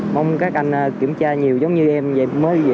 mong các anh kiểm tra nhiều giống như em về mới vậy